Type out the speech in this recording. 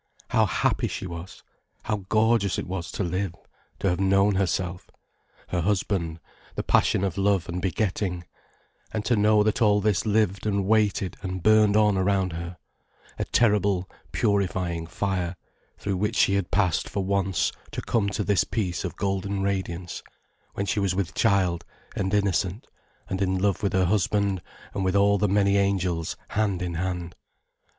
How happy she was, how gorgeous it was to live: to have known herself, her husband, the passion of love and begetting; and to know that all this lived and waited and burned on around her, a terrible purifying fire, through which she had passed for once to come to this peace of golden radiance, when she was with child, and innocent, and in love with her husband and with all the many angels hand in hand.